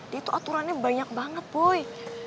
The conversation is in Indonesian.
dia tuh aturannya banyak banget boy